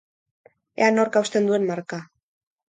Ea nork hausten duen marka!